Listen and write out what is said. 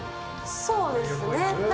そうですね。